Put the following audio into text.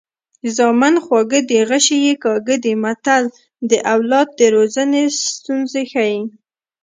زامن خواږه دي غشي یې کاږه دي متل د اولاد د روزنې ستونزې ښيي